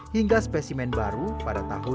hingga spesimen baru pada tahun dua ribu enam belas